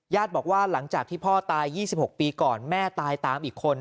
บอกว่าหลังจากที่พ่อตาย๒๖ปีก่อนแม่ตายตามอีกคน